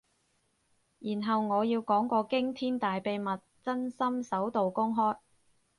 然後我要講個驚天大秘密，真心首度公開